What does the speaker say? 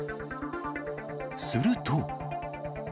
すると。